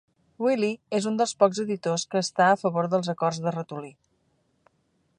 Wily és un dels pocs editors que està a favor dels acords de ratolí.